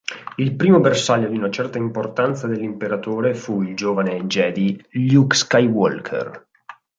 Il primo bersaglio di una certa importanza dell'Imperatore fu il giovane Jedi Luke Skywalker.